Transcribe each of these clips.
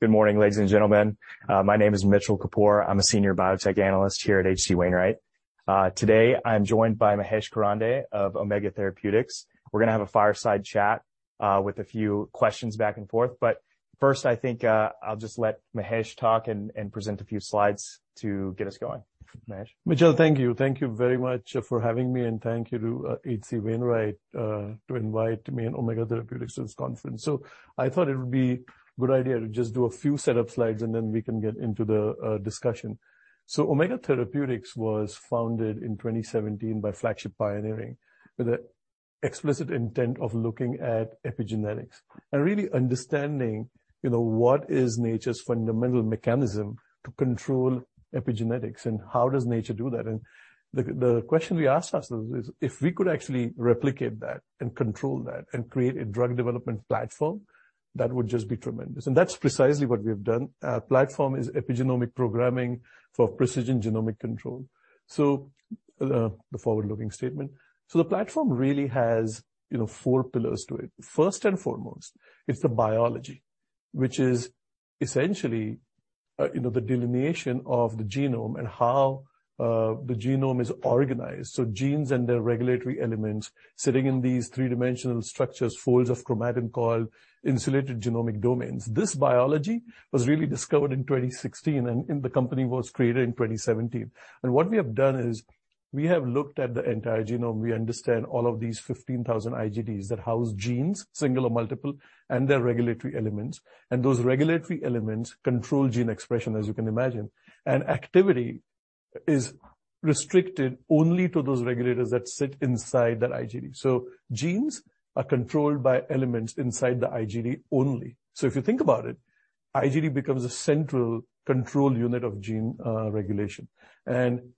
Good morning, ladies and gentlemen. My name is Mitchell Kapoor. I'm a senior biotech analyst here at H.C. Wainwright. Today I'm joined by Mahesh Karande of Omega Therapeutics. We're gonna have a fireside chat with a few questions back and forth. First, I think, I'll just let Mahesh talk and present a few slides to get us going. Mahesh. Mitchell, thank you. Thank you very much for having me, and thank you to H.C. Wainwright to invite me and Omega Therapeutics to this conference. I thought it would be a good idea to just do a few setup slides, and then we can get into the discussion. Omega Therapeutics was founded in 2017 by Flagship Pioneering with the explicit intent of looking at epigenetics and really understanding, you know, what is nature's fundamental mechanism to control epigenetics, and how does nature do that? The question we asked ourselves is, if we could actually replicate that and control that and create a drug development platform, that would just be tremendous. That's precisely what we have done. Our platform is epigenomic programming for precision genomic control. The forward-looking statement. The platform really has, you know, four pillars to it. First and foremost, it's the biology, which is essentially, you know, the delineation of the genome and how the genome is organized. Genes and their regulatory elements sitting in these three-dimensional structures, folds of chromatin called Insulated Genomic Domains. This biology was really discovered in 2016, and the company was created in 2017. What we have done is we have looked at the entire genome. We understand all of these 15,000 IGDs that house genes, single or multiple, and their regulatory elements. Those regulatory elements control gene expression, as you can imagine. Activity is restricted only to those regulators that sit inside that IGD. If you think about it, IGD becomes a central control unit of gene regulation.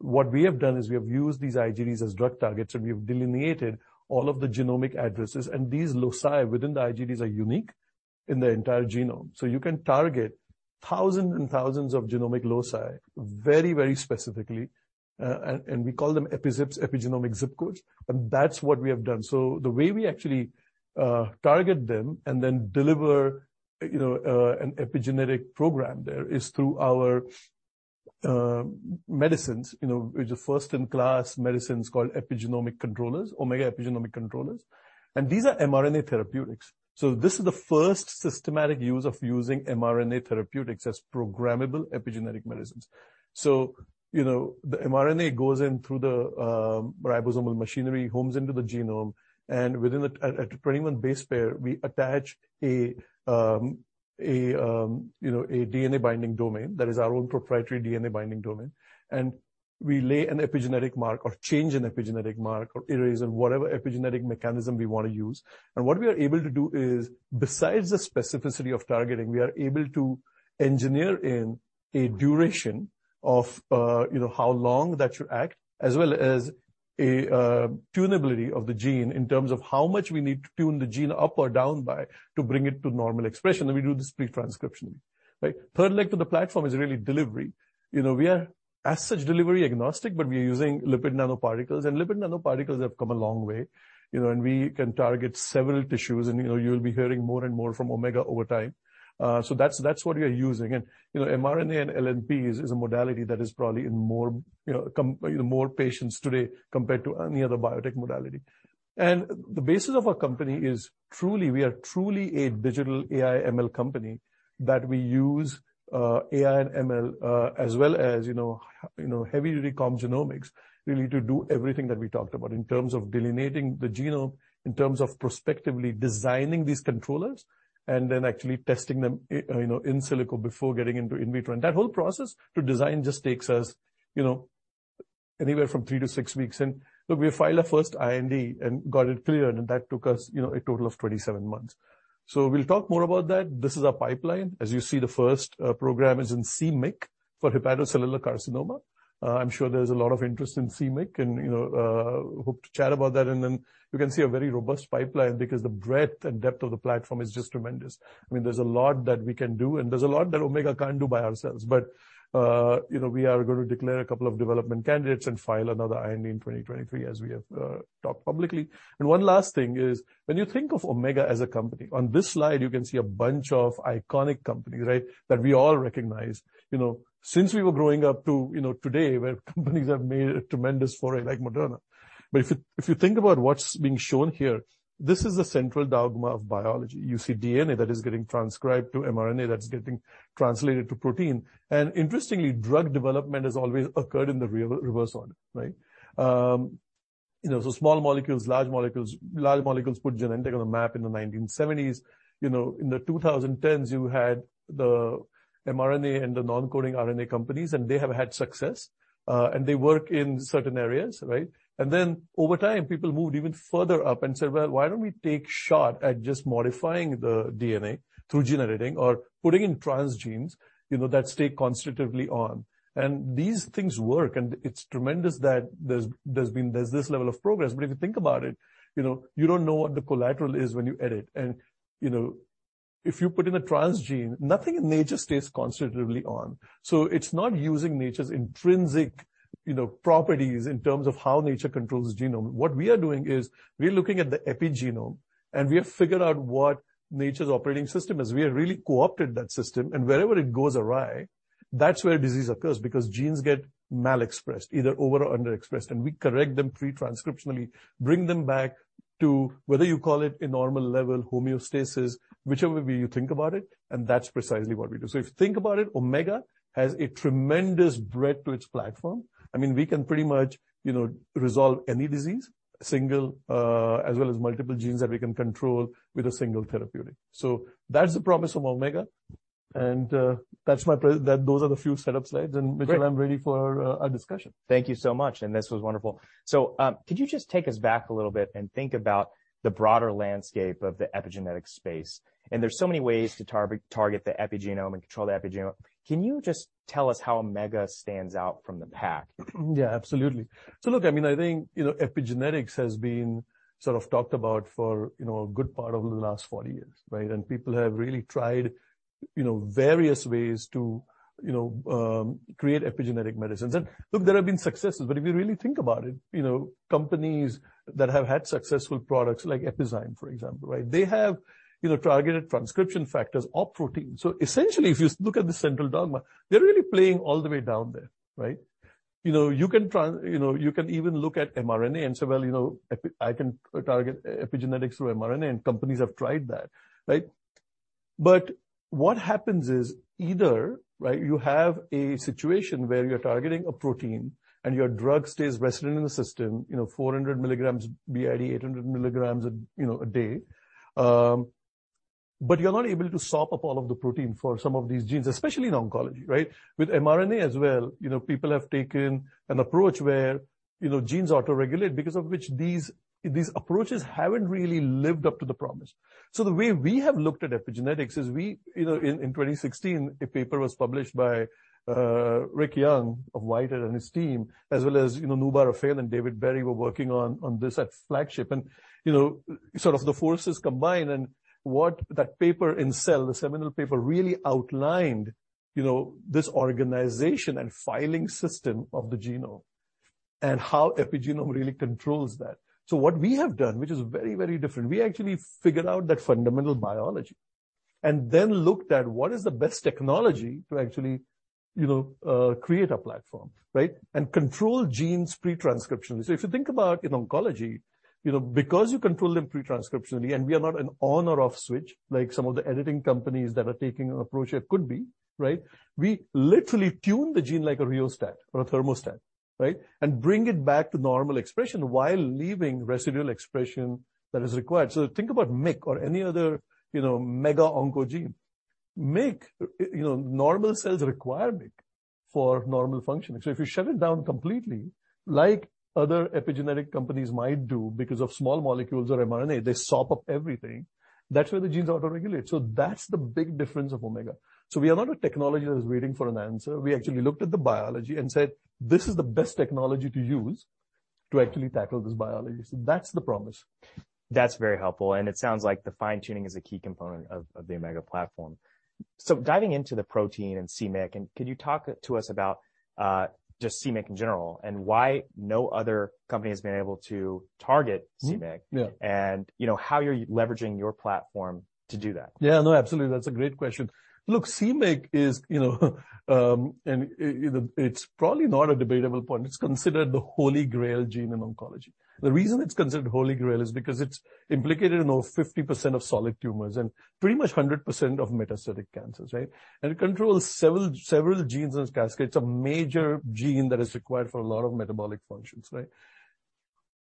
What we have done is we have used these IGDs as drug targets, and we've delineated all of the genomic addresses. These loci within the IGDs are unique in the entire genome. You can target thousands and thousands of genomic loci very, very specifically. We call them EpiZips, epigenomic zip codes, and that's what we have done. The way we actually target them and then deliver, you know, an epigenetic program there is through our medicines, you know, which are first-in-class medicines called epigenomic controllers, Omega Epigenomic Controllers. These are mRNA therapeutics. This is the first systematic use of using mRNA therapeutics as programmable epigenetic medicines. You know, the mRNA goes in through the ribosomal machinery, homes into the genome, and at a 21 base pair, we attach a you know a DNA-binding domain that is our own proprietary DNA-binding domain. We lay an epigenetic mark or change an epigenetic mark or erase whatever epigenetic mechanism we wanna use. What we are able to do is, besides the specificity of targeting, we are able to engineer in a duration of you know how long that should act, as well as a tunability of the gene in terms of how much we need to tune the gene up or down by to bring it to normal expression. We do this pre-transcriptionally. Right? Third leg to the platform is really delivery. You know, we are as such delivery agnostic, but we're using lipid nanoparticles. Lipid nanoparticles have come a long way, you know, and we can target several tissues. You know, you'll be hearing more and more from Omega over time. That's what we are using. You know, mRNA and LNPs is a modality that is probably in more, you know, more patients today compared to any other biotech modality. The basis of our company is truly a digital AI ML company, that we use AI and ML as well as heavy recombinant genomics really to do everything that we talked about in terms of delineating the genome, in terms of prospectively designing these controllers and then actually testing them, you know, in silico before getting into in vitro. That whole process to design just takes us, you know, anywhere from three to six weeks. Look, we filed our first IND and got it cleared, and that took us, you know, a total of 27 months. We'll talk more about that. This is our pipeline. As you see, the first program is in c-Myc for hepatocellular carcinoma. I'm sure there's a lot of interest in c-Myc and, you know, hope to chat about that. Then you can see a very robust pipeline because the breadth and depth of the platform is just tremendous. I mean, there's a lot that we can do, and there's a lot that Omega can't do by ourselves. You know, we are going to declare a couple of development candidates and file another IND in 2023, as we have talked publicly. One last thing is, when you think of Omega as a company, on this slide you can see a bunch of iconic companies, right, that we all recognize, you know, since we were growing up to, you know, today, where companies have made a tremendous foray like Moderna. If you think about what's being shown here, this is the central dogma of biology. You see DNA that is getting transcribed to mRNA that's getting translated to protein. Interestingly, drug development has always occurred in the reverse order, right? You know, so small molecules, large molecules. Large molecules put Genentech on the map in the 1970s. You know, in the 2010s, you had the mRNA and the non-coding RNA companies, and they have had success, and they work in certain areas, right? Then over time, people moved even further up and said, "Well, why don't we take a shot at just modifying the DNA through gene editing or putting in transgenes, you know, that stay constitutively on?" These things work, and it's tremendous that there's been this level of progress. If you think about it, you know, you don't know what the collateral is when you edit. You know, if you put in a transgene, nothing in nature stays constitutively on. It's not using nature's intrinsic, you know, properties in terms of how nature controls genome. What we are doing is we are looking at the epigenome, and we have figured out what nature's operating system is. We have really co-opted that system, and wherever it goes awry. That's where disease occurs because genes get mal-expressed, either over or under expressed, and we correct them pre-transcriptionally, bring them back to whether you call it a normal level, homeostasis, whichever way you think about it, and that's precisely what we do. If you think about it, Omega has a tremendous breadth to its platform. I mean, we can pretty much, you know, resolve any disease, single, as well as multiple genes that we can control with a single therapeutic. That's the promise from Omega, and those are the few setup slides. Great. Mitchell, I'm ready for a discussion. Thank you so much, and this was wonderful. Could you just take us back a little bit and think about the broader landscape of the epigenetic space? There's so many ways to target the epigenome and control the epigenome. Can you just tell us how Omega stands out from the pack? Yeah, absolutely. Look, I mean, I think, you know, epigenetics has been sort of talked about for, you know, a good part of the last 40 years, right? People have really tried, you know, various ways to, you know, create epigenetic medicines. Look, there have been successes, but if you really think about it, you know, companies that have had successful products like Epizyme, for example, right? They have, you know, targeted transcription factors or proteins. Essentially, if you look at the central dogma, they're really playing all the way down there, right? You know, you can even look at mRNA and say, "Well, you know, I can target epigenetics through mRNA," and companies have tried that, right? What happens is either, right, you have a situation where you're targeting a protein and your drug stays resident in the system, you know, 400 milligrams BID, 800 milligrams a day, but you're not able to sop up all of the protein for some of these genes, especially in oncology, right? With mRNA as well, you know, people have taken an approach where, you know, genes auto-regulate because of which these approaches haven't really lived up to the promise. The way we have looked at epigenetics is we, you know, in 2016, a paper was published by Rick Young of Whitehead and his team, as well as, you know, Noubar Afeyan and David Berry were working on this at Flagship. You know, sort of the forces combined and what that paper in Cell, the seminal paper, really outlined, you know, this organization and filing system of the genome and how epigenome really controls that. What we have done, which is very, very different, we actually figured out that fundamental biology and then looked at what is the best technology to actually, you know, create a platform, right, and control genes pre-transcriptionally. If you think about in oncology, you know, because you control them pre-transcriptionally, and we are not an on or off switch like some of the editing companies that are taking an approach that could be, right? We literally tune the gene like a rheostat or a thermostat, right? And bring it back to normal expression while leaving residual expression that is required. Think about MYC or any other, you know, mega oncogene. MYC, you know, normal cells require MYC for normal functioning. If you shut it down completely, like other epigenetic companies might do because of small molecules or mRNA, they sop up everything, that's where the genes auto-regulate. That's the big difference of Omega. We are not a technology that's waiting for an answer. We actually looked at the biology and said, "This is the best technology to use to actually tackle this biology." That's the promise. That's very helpful, and it sounds like the fine-tuning is a key component of the Omega platform. Diving into the protein and c-Myc, could you talk to us about just c-Myc in general and why no other company has been able to target c-Myc? Mm-hmm. Yeah. You know, how you're leveraging your platform to do that. Yeah, no, absolutely. That's a great question. Look, c-Myc is, you know, and it's probably not a debatable point. It's considered the Holy Grail gene in oncology. The reason it's considered Holy Grail is because it's implicated in over 50% of solid tumors and pretty much 100% of metastatic cancers, right? It controls several genes in this cascade. It's a major gene that is required for a lot of metabolic functions, right?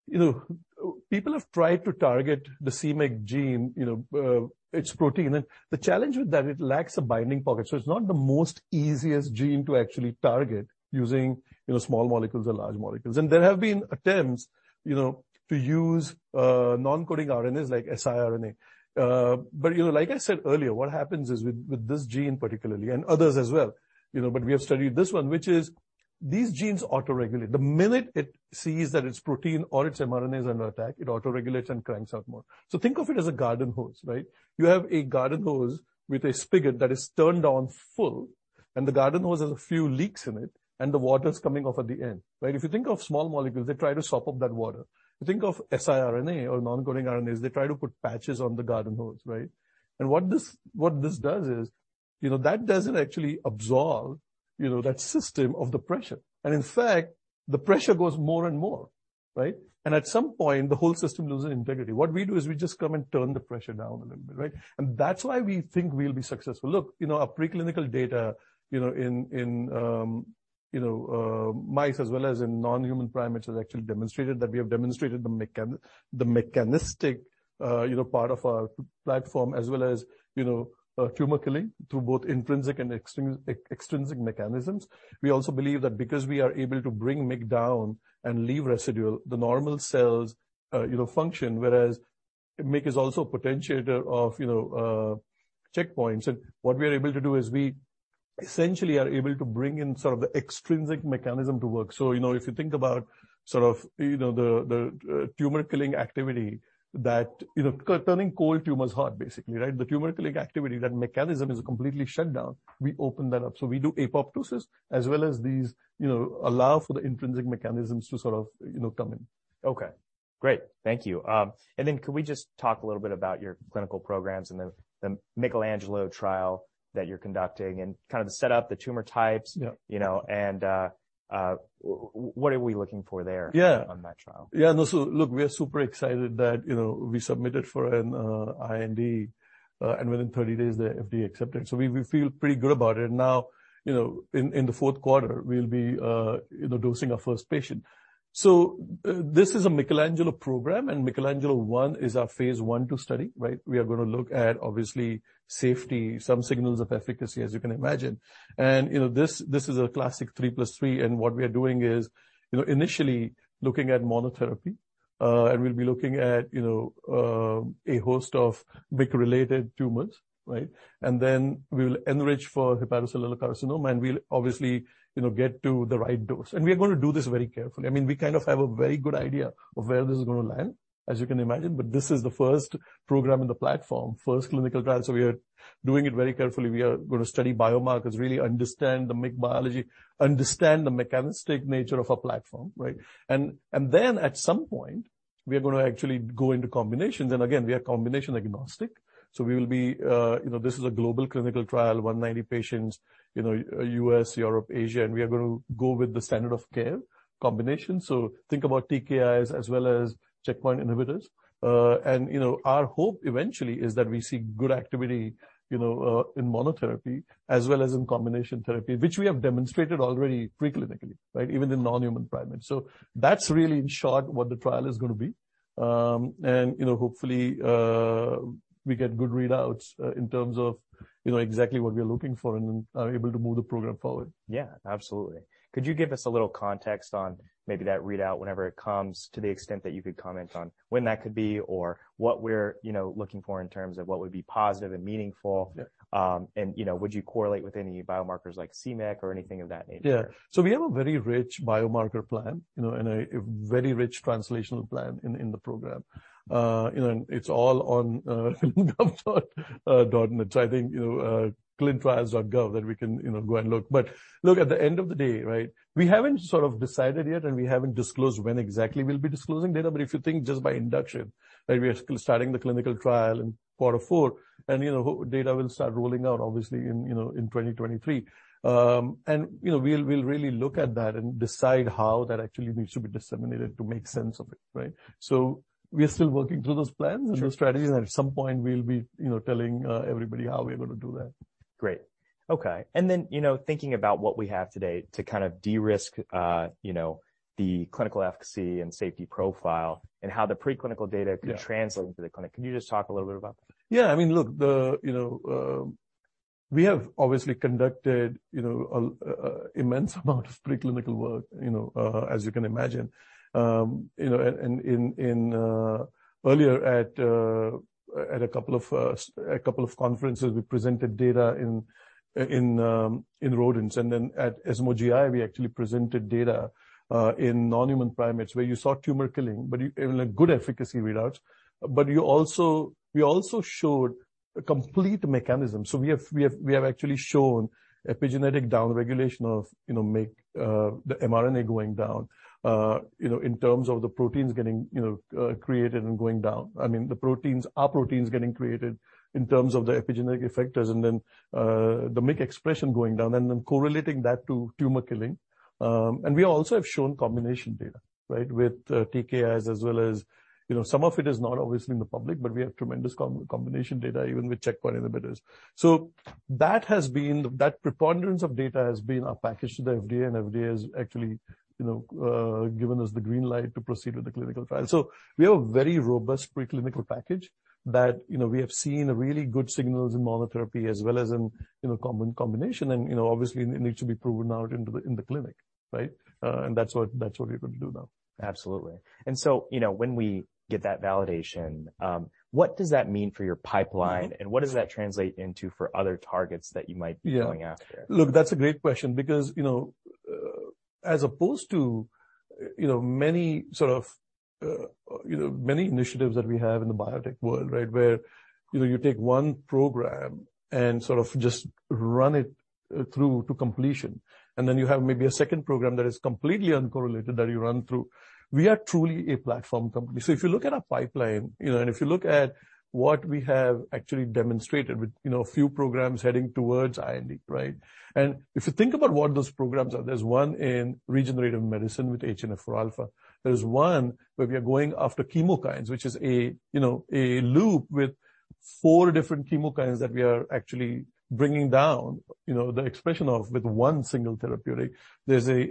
You know, people have tried to target the c-Myc gene, you know, its protein. The challenge with that, it lacks a binding pocket, so it's not the most easiest gene to actually target using, you know, small molecules or large molecules. There have been attempts, you know, to use non-coding RNAs like siRNA. You know, like I said earlier, what happens is with this gene particularly, and others as well, you know, but we have studied this one, which is these genes auto-regulate. The minute it sees that its protein or its mRNA is under attack, it auto-regulates and cranks out more. So think of it as a garden hose, right? You have a garden hose with a spigot that is turned on full, and the garden hose has a few leaks in it, and the water's coming off at the end, right? If you think of small molecules, they try to sop up that water. You think of siRNA or non-coding RNAs, they try to put patches on the garden hose, right? What this does is, you know, that doesn't actually absorb, you know, that system of the pressure. In fact, the pressure goes more and more, right? At some point, the whole system loses integrity. What we do is we just come and turn the pressure down a little bit, right? That's why we think we'll be successful. Look, you know, our preclinical data, you know, in mice as well as in non-human primates has actually demonstrated that we demonstrated the mechanistic part of our platform as well as tumor killing through both intrinsic and extrinsic mechanisms. We also believe that because we are able to bring MYC down and leave residual, the normal cells, you know, function, whereas MYC is also a potentiator of checkpoints. What we are able to do is we essentially are able to bring in sort of the extrinsic mechanism to work. You know, if you think about sort of, you know, the tumor killing activity that, you know, turning cold tumors hot, basically, right? The tumor killing activity, that mechanism is completely shut down. We open that up. We do apoptosis as well as these, you know, allow for the intrinsic mechanisms to sort of, you know, come in. Okay. Great. Thank you. Could we just talk a little bit about your clinical programs and the MYCHELANGELO trial that you're conducting and kind of the setup, the tumor types? Yeah. You know, what are we looking for there? Yeah. On that trial? Yeah, no, look, we are super excited that, you know, we submitted for an IND, and within 30 days, the FDA accepted. We feel pretty good about it. Now, you know, in the fourth quarter, we'll be dosing our first patient. This is a MYCHELANGELO program, and MYCHELANGELO I is our phase I/phase II study, right? We are gonna look at, obviously, safety, some signals of efficacy, as you can imagine. This is a classic 3+3, and what we are doing is, you know, initially looking at monotherapy, and we'll be looking at, you know, a host of MYC-related tumors, right? Then we will enrich for hepatocellular carcinoma, and we'll obviously, you know, get to the right dose. We are gonna do this very carefully. I mean, we kind of have a very good idea of where this is gonna land, as you can imagine, but this is the first program in the platform, first clinical trial, so we are doing it very carefully. We are gonna study biomarkers, really understand the MYC biology, understand the mechanistic nature of our platform, right? at some point, we are gonna actually go into combinations. again, we are combination agnostic, so we will be, you know, this is a global clinical trial, 190 patients, you know, US, Europe, Asia, and we are gonna go with the standard of care combination. think about TKIs as well as checkpoint inhibitors. you know, our hope eventually is that we see good activity, you know, in monotherapy as well as in combination therapy, which we have demonstrated already preclinically, right? Even in non-human primates. That's really in short what the trial is gonna be. You know, hopefully, we get good readouts in terms of, you know, exactly what we're looking for and then are able to move the program forward. Yeah, absolutely. Could you give us a little context on maybe that readout whenever it comes to the extent that you could comment on when that could be or what we're, you know, looking for in terms of what would be positive and meaningful? Yeah. You know, would you correlate with any biomarkers like c-Myc or anything of that nature? Yeah. We have a very rich biomarker plan, you know, and a very rich translational plan in the program. You know, it's all on ClinicalTrials.gov. I think, you know, ClinicalTrials.gov that we can, you know, go and look. Look, at the end of the day, right, we haven't sort of decided yet, and we haven't disclosed when exactly we'll be disclosing data, but if you think just by induction, right, we are starting the clinical trial in quarter four, and, you know, data will start rolling out obviously in, you know, in 2023. You know, we'll really look at that and decide how that actually needs to be disseminated to make sense of it, right? We are still working through those plans. Sure. Those strategies, and at some point we'll be, you know, telling everybody how we're gonna do that. Great. Okay. Then, you know, thinking about what we have today to kind of de-risk, you know, the clinical efficacy and safety profile and how the preclinical data. Yeah. Could translate into the clinic, can you just talk a little bit about that? Yeah. I mean, look, you know, we have obviously conducted, you know, an immense amount of preclinical work, you know, as you can imagine. You know, and earlier, at a couple of conferences, we presented data in rodents. Then at ESMO GI, we actually presented data in non-human primates where you saw tumor killing, but even good efficacy readouts. We also showed a complete mechanism. We have actually shown epigenetic downregulation of, you know, MYC, the mRNA going down, you know, in terms of the proteins getting, you know, created and going down. I mean, the proteins, our proteins getting created in terms of the epigenetic effectors and then, the MYC expression going down and then correlating that to tumor killing. We also have shown combination data, right? With, TKIs as well as, you know, some of it is not obviously in the public, but we have tremendous combination data even with checkpoint inhibitors. That preponderance of data has been our package to the FDA, and FDA has actually, you know, given us the green light to proceed with the clinical trial. We have a very robust preclinical package that, you know, we have seen really good signals in monotherapy as well as in a combination and, you know, obviously it needs to be proven out in the clinic, right? That's what we're going to do now. Absolutely. You know, when we get that validation, what does that mean for your pipeline? Yeah. What does that translate into for other targets that you might be going after? Yeah. Look, that's a great question because, you know, as opposed to, you know, many sort of, you know, many initiatives that we have in the biotech world, right? Where, you know, you take one program and sort of just run it through to completion, and then you have maybe a second program that is completely uncorrelated that you run through. We are truly a platform company. If you look at our pipeline, you know, and if you look at what we have actually demonstrated with, you know, a few programs heading towards IND, right? And if you think about what those programs are, there's one in regenerative medicine with HNF4α. There's one where we are going after chemokines, which is a, you know, a loop with four different chemokines that we are actually bringing down, you know, the expression of with one single therapeutic. There's a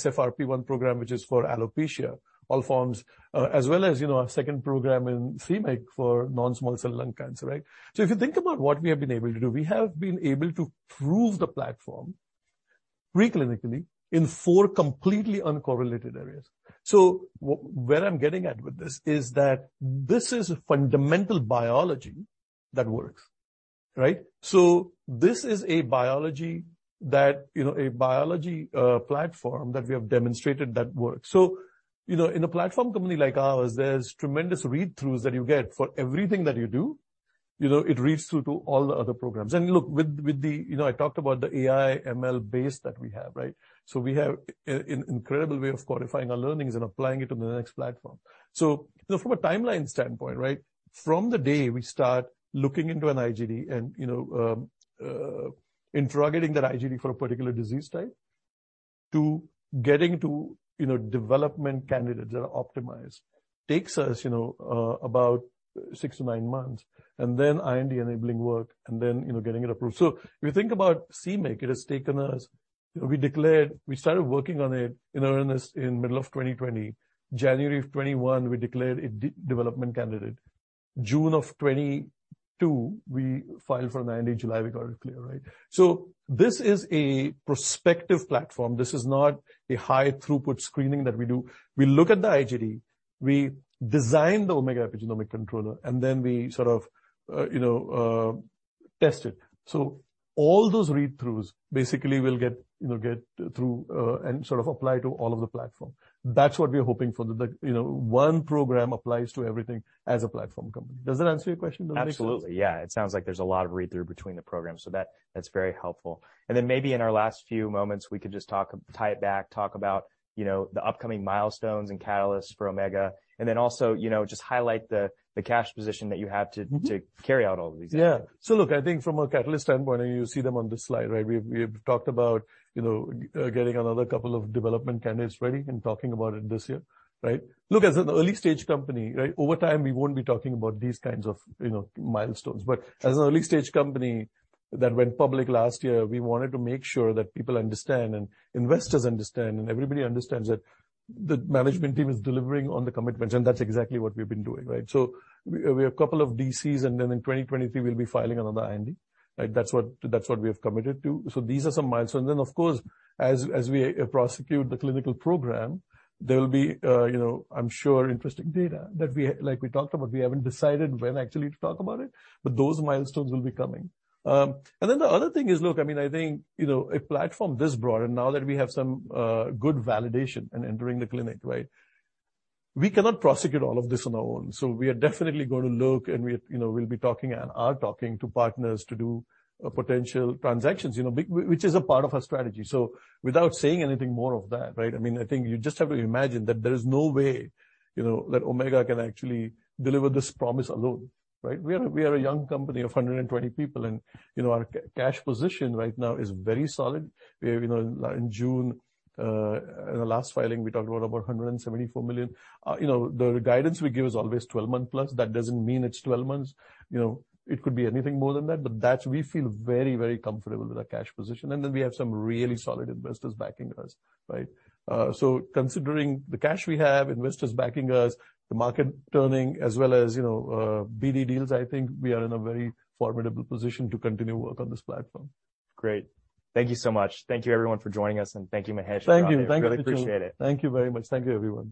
SFRP1 program, which is for alopecia, all forms, as well as, you know, a second program in c-Myc for non-small cell lung cancer, right? If you think about what we have been able to do, we have been able to prove the platform preclinically in four completely uncorrelated areas. Where I'm getting at with this is that this is fundamental biology that works, right? This is a biology platform that, you know, we have demonstrated that works. You know, in a platform company like ours, there's tremendous read-throughs that you get for everything that you do. You know, it reads through to all the other programs. Look, you know, I talked about the AI ML base that we have, right? We have an incredible way of codifying our learnings and applying it to the next platform. You know, from a timeline standpoint, right, from the day we start looking into an IGD and, you know, interrogating that IGD for a particular disease type to getting to, you know, development candidates that are optimized takes us, you know, about six to nine months. Then IND enabling work and then, you know, getting it approved. If you think about MYC, it has taken us. You know, we started working on it in earnest in middle of 2020. January of 2021 we declared it development candidate. June of 2022 we filed for an IND. July we got it cleared, right? This is a prospective platform. This is not a high throughput screening that we do. We look at the IGD, we design the Omega Epigenomic Controller, and then we sort of test it. All those read-throughs basically will get through and sort of apply to all of the platform. That's what we're hoping for. The you know, one program applies to everything as a platform company. Does that answer your question? Does that make sense? Absolutely, yeah. It sounds like there's a lot of read-through between the programs, so that's very helpful. Maybe in our last few moments, we could just tie it back, talk about, you know, the upcoming milestones and catalysts for Omega. Also, you know, just highlight the cash position that you have to- Mm-hmm to carry out all of these initiatives. Yeah. Look, I think from a catalyst standpoint, and you see them on this slide, right? We've talked about, you know, getting another couple of development candidates ready and talking about it this year, right? Look, as an early-stage company, right? Over time, we won't be talking about these kinds of, you know, milestones. As an early-stage company that went public last year, we wanted to make sure that people understand and investors understand and everybody understands that the management team is delivering on the commitments, and that's exactly what we've been doing, right? We have a couple of DCs, and then in 2023 we'll be filing another IND, right? That's what we have committed to. These are some milestones. Of course, as we prosecute the clinical program, there will be, you know, I'm sure interesting data like we talked about, we haven't decided when actually to talk about it, but those milestones will be coming. The other thing is, look, I mean, I think, you know, a platform this broad and now that we have some good validation in entering the clinic, right, we cannot prosecute all of this on our own. We are definitely gonna look and we, you know, will be talking and are talking to partners to do potential transactions, you know, which is a part of our strategy. Without saying anything more of that, right, I mean, I think you just have to imagine that there is no way, you know, that Omega can actually deliver this promise alone, right? We are a young company of 120 people and, you know, our cash position right now is very solid. We have, you know, in June, in the last filing, we talked about over $174 million. You know, the guidance we give is always 12 months plus. That doesn't mean it's 12 months. You know, it could be anything more than that, but that's. We feel very, very comfortable with our cash position. Then we have some really solid investors backing us, right? Considering the cash we have, investors backing us, the market turning as well as, you know, BD deals, I think we are in a very formidable position to continue work on this platform. Great. Thank you so much. Thank you everyone for joining us, and thank you, Mahesh and Shailen. Thank you. Thank you. Really appreciate it. Thank you very much. Thank you, everyone.